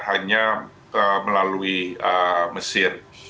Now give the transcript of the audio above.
hanya melalui mesir